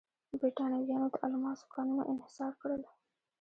برېټانویانو د الماسو کانونه انحصار کړل.